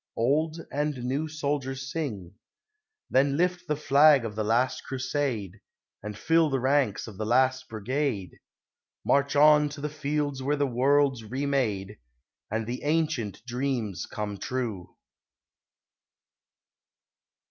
OLD AND NEW SOLDIERS SING: Then lift the flag of the Last Crusade! And fill the ranks of the Last Brigade! March on to the fields where the world's re made, And the Ancient Dreams come true!